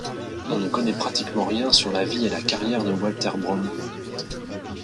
On ne connaît pratiquement rien sur la vie et la carrière de Walter Bromme.